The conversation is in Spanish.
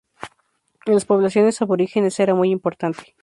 En las poblaciones aborígenes era muy importante.